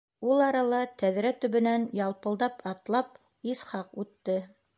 Ул арала тәҙрә төбөнән ялпылдап атлап Исхаҡ үтте.